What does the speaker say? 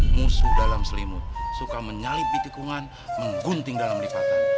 musuh dalam selimut suka menyalipi tikungan menggunting dalam lipatan